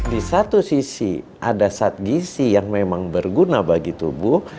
di satu sisi ada zat gisi yang memang berguna bagi tubuh